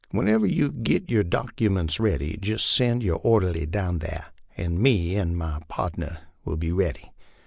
Whenever you git yer dockiments ready jist send your orderly down thar, and me and my pardner will be ready.